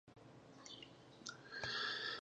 تعلیم یافته میندې د ماشومانو د خوړو وخت منظم ساتي.